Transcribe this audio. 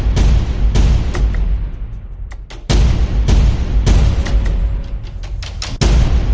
bukan gitu aja